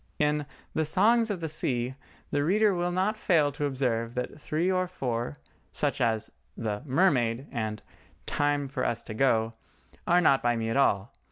In the "Songs of the Sea" the reader will not fail to observe that three or four, such as the "Mermaid" and "Time for Us to Go," are not by me at all.